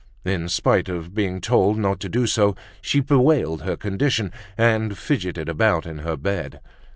In spite of being told not to do so, she bewailed her condition, and fidgeted about in her bed.